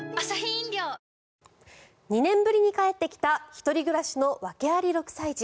２年ぶりに帰ってきた１人暮らしの訳あり６歳児。